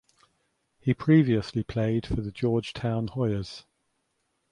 He previously played for the Georgetown Hoyas.